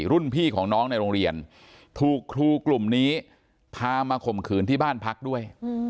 รุ่นพี่ของน้องในโรงเรียนถูกครูกลุ่มนี้พามาข่มขืนที่บ้านพักด้วย